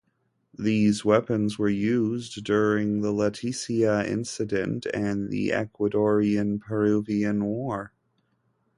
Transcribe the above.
These weapons were used during the Leticia Incident and the Ecuadorian–Peruvian War.